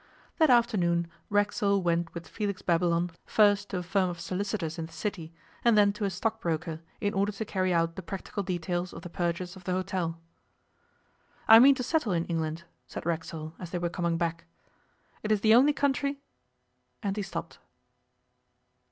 That afternoon Racksole went with Felix Babylon first to a firm of solicitors in the City, and then to a stockbroker, in order to carry out the practical details of the purchase of the hotel. 'I mean to settle in England,' said Racksole, as they were coming back. 'It is the only country ' and he stopped.